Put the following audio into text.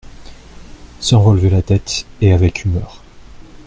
Sans relever la tête et avec humeur.